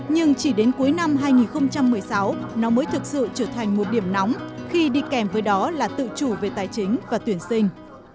nhưng chỉ đến cuối năm hai nghìn một mươi sáu nó mới thực sự trở thành một điểm nóng khi đi kèm với đó là tự chủ về tài chính và tuyển sinh